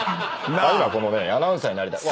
今このアナウンサーになりたい